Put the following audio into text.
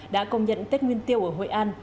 đã công nhận tết nguyên tiêu ở hội an